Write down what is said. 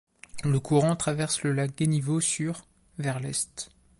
Le courant traverse le lac Guenyveau sur vers l'est.